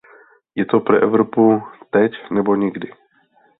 Je to pro Evropu teď, nebo nikdy.